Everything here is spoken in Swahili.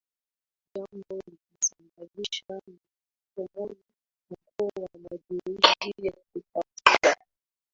Jambo likasababisha msukumo mkuu wa mageuzi ya kikatiba